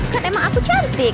kan emang aku cantik